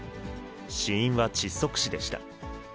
死因は窒息死でした。